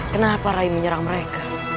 kenapa rai menyerang mereka